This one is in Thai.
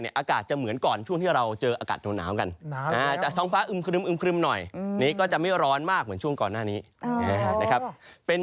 อากาศจะเหมือนก่อนช่วงที่เราเจออากาศหนาวกัน